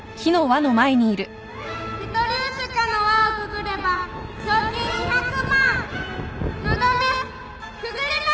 『ペトルーシュカ』の輪をくぐれば賞金２００万！のだめくぐります！